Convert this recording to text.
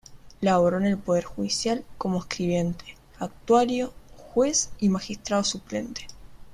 Laboró en el Poder Judicial como escribiente, actuario, juez y magistrado suplente.